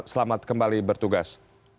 selamat kembali bertugas